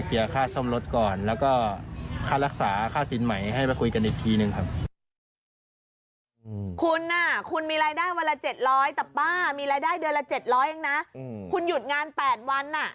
มีรายได้เดือนละ๗๐๐เองนะคุณหยุดงาน๘วันน่ะ